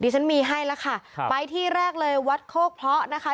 ฉันมีให้แล้วค่ะครับไปที่แรกเลยวัดโคกเพราะนะคะ